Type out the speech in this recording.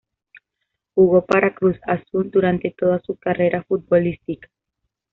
Jugó para Cruz Azul durante toda su carrera futbolística.